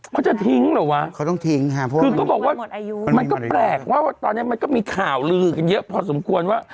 เขาจะทิ้งหรือวะคือเขาบอกว่ามันก็แปลกว่าตอนนี้มันก็มีข่าวลือกันเยอะพอสมควร